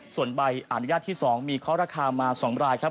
ส่วนใบอนุญาตที่๒มีเคาะราคามา๒รายครับ